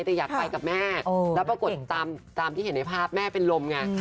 แต่อยากไปกับแม่แล้วปรากฏตามที่เห็นในภาพแม่เป็นลมไง